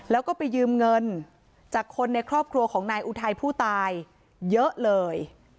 แล้วก็ไปยืมเงินจากคนในครอบครัวของนายอุทัยผู้ตายเยอะเลย